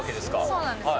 そうなんですよ。